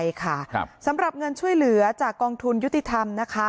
ใช่ค่ะสำหรับเงินช่วยเหลือจากกองทุนยุติธรรมนะคะ